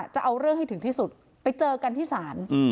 จะเอาเรื่องให้ถึงที่สุดไปเจอกันที่ศาล